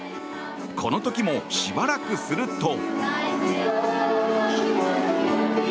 この時も、しばらくすると。